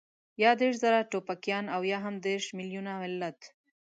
يا دېرش زره ټوپکيان او يا هم دېرش مېليونه ملت.